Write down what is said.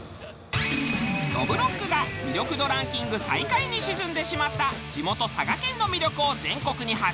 どぶろっくが魅力度ランキング最下位に沈んでしまった地元佐賀県の魅力を全国に発信！